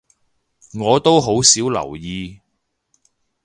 我都好少留意